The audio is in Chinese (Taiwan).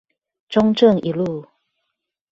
中正一路